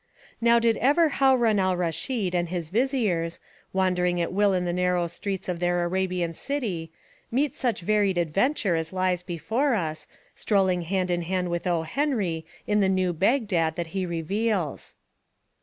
Now did ever Haroun al Raschid and his viziers, wandering at will in the narrow streets of their Arabian city, meet such varied adventure as lies before us, strolling hand in hand with O. Henry In the new Bagdad that he reveals.